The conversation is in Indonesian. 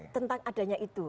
tentang adanya itu